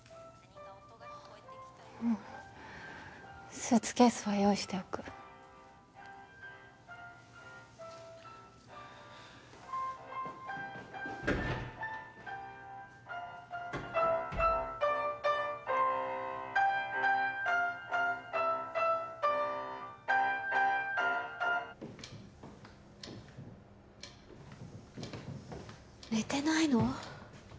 うんスーツケースは用意しておく寝てないの？